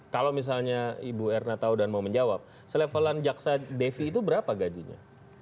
kalau misalnya ibu erna tahu dan mau menjawab selevelan jaksa devi itu berapa gajinya